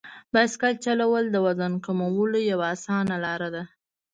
بایسکل چلول د وزن کمولو یوه اسانه لار ده.